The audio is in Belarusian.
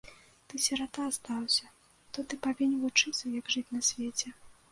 Ты сірата астаўся, то ты павінен вучыцца, як жыць на свеце.